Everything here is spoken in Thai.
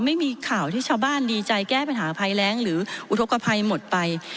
ไม่มีข่าวที่ชาวบ้านดีใจแก้ปัญหาภัยแรงหรืออุทธกภัยหมดไป